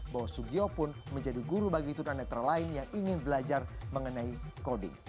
bahwa sugio pun menjadi guru bagi tunanetra lain yang ingin belajar mengenai coding